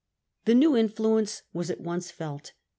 The new influence was at once felt.